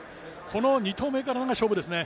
この２投目からが勝負ですね。